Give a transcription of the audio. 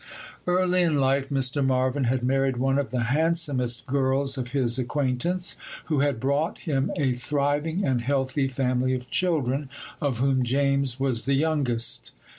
Early in life Mr. Marvyn had married one of the handsomest girls of his acquaintance, who had brought him a thriving and healthy family of children, of whom James was the youngest.